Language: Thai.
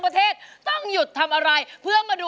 ร้องได้ให้ล้าน